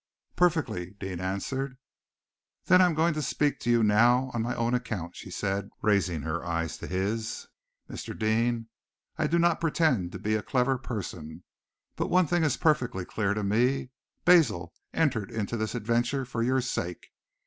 "Perfectly," Deane answered. "Then I am going to speak to you now on my own account," she said, raising her eyes to his. "Mr. Deane, I do not pretend to be a clever person, but one thing is perfectly clear to me. Basil entered into this adventure for your sake.